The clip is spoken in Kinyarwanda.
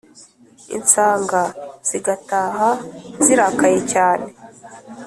insánga zigataha zirakaye cyane